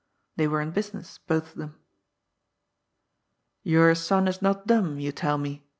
They were in business, both of them. "Your son is not dumb, you tell me?"